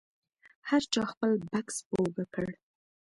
هر چا خپل بکس په اوږه کړ.